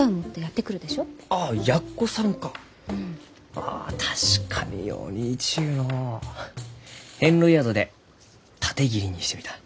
あ確かによう似いちゅうのう。遍路宿で縦切りにしてみた。